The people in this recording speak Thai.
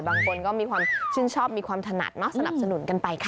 บางคนก็มีความชื่นชอบมีความถนัดสนับสนุนกันไปค่ะ